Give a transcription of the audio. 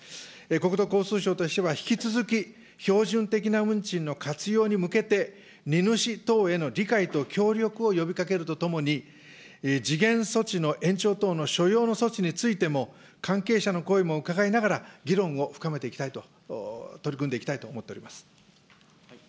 国土交通省としては、引き続き、標準的な運賃の活用に向けて、荷主等への理解と協力を呼びかけるとともに、時限措置の延長等の所要の措置についても、関係者の声も伺いながら、議論を深めていきたいと、取り組んでいきたいと思っております。